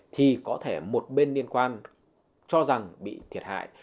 thì có thể một bên liên quan cho rằng bị thiệt hại